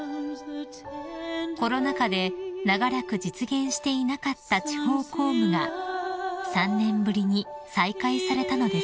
［コロナ禍で長らく実現していなかった地方公務が３年ぶりに再開されたのです］